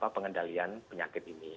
pengendalian penyakit ini